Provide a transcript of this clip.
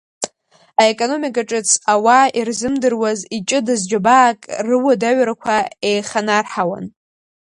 Аекономика ҿыц ауаа ирзымдыруаз иҷыдаз џьабаак рыуадаҩрақәа еиханарҳауан.